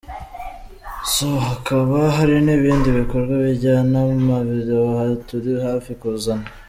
So, hakaba harinibindi bikorwa bijyanyenamavideo turi hafi kuzana”.